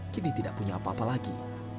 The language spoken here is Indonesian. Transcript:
kini tidak punya apa apa lagi